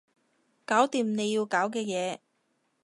搞掂你要搞嘅嘢